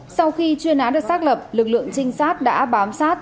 sau khi chuyên án được xác lập lực lượng trinh sát đã bám sát